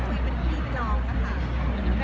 ก็คุยเป็นทีเป็นรอบนะคะ